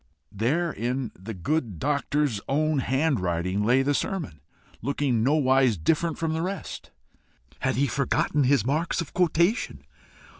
There in the good doctor's own handwriting lay the sermon, looking nowise different from the rest! Had he forgotten his marks of quotation?